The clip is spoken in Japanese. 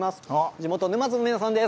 地元、沼津の皆さんです。